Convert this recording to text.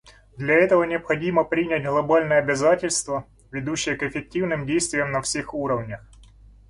Для этого необходимо принять глобальные обязательства, ведущие к эффективным действиям на всех уровнях.